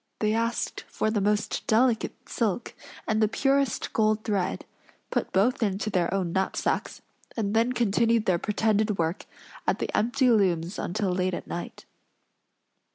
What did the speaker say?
They asked for the most delicate silk and the purest gold thread; put both into their own knapsacks; and then continued their pretended work at the empty looms until late at night.